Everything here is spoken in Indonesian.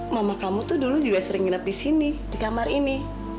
mama kamu tuh dulu juga sering nginep di sini di kamar ini